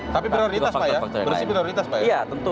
tapi prioritas pak ya